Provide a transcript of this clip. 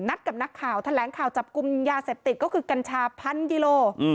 กับนักข่าวแถลงข่าวจับกลุ่มยาเสพติดก็คือกัญชาพันกิโล